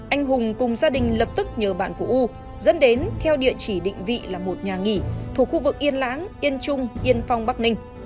anh hùng cùng gia đình lập tức nhờ bạn của u dẫn đến theo địa chỉ định vị là một nhà nghỉ thuộc khu vực yên lãng yên trung yên phong bắc ninh